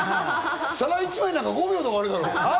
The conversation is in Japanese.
皿一枚なんて、５秒で終わるだろ！